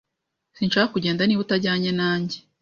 Sinshaka kugenda niba utajyanye nanjye.